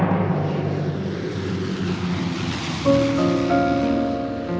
harusnya nek adi